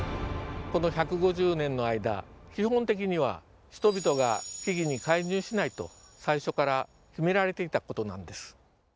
この１５０年の間基本的には人々が木々に介入しないと最初から決められていたことなんです。